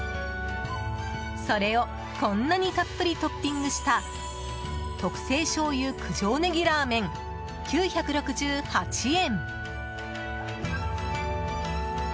それをこんなにたっぷりトッピングした特製醤油九条ねぎラーメン９６８円。